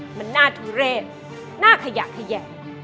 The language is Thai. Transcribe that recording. เหมือนหน้าทุเรศหน้าขยะขยะ